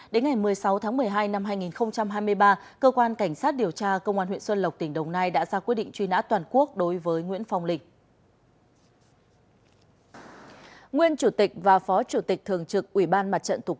đến ngày một mươi sáu tháng một mươi hai năm hai nghìn hai mươi ba cơ quan cảnh sát điều tra công an huyện xuân lộc tỉnh đồng nai đã ra quyết định truy nã toàn quốc đối với nguyễn phong linh